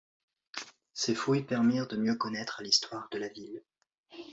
Ces fouilles permirent de mieux connaître l'histoire de la ville.